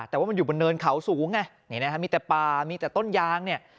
แต่ว่ามันอยู่บนเนินเขาสูงไงนี่นะฮะมีแต่ป่ามีแต่ต้นยางเนี่ย